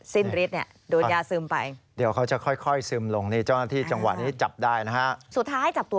ฤทธิเนี่ยโดนยาซึมไปเดี๋ยวเขาจะค่อยค่อยซึมลงนี่เจ้าหน้าที่จังหวะนี้จับได้นะฮะสุดท้ายจับตัว